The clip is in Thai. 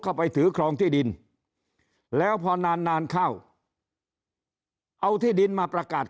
ไปถือครองที่ดินแล้วพอนานนานเข้าเอาที่ดินมาประกาศ